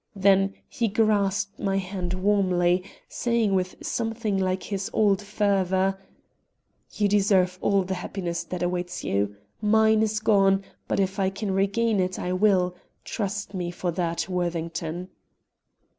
Then he grasped my hand warmly, saying with something like his old fervor: "You deserve all the happiness that awaits you. Mine is gone; but if I can regain it, I will; trust me for that, Worthington."